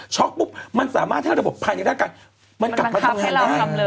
ช็อกปุ๊บมันสามารถทางระบบภายในรัฐการณ์มันกลับมาทำงานด้าน